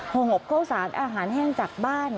หงบข้าวสารอาหารแห้งจากบ้าน